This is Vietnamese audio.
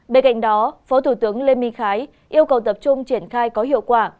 bên cạnh đó phó thủ tướng lê minh khái yêu cầu tập trung triển khai có hiệu quả